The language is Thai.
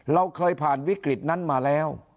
เราเคยผ่านวิกฤตนั้นมาแล้ว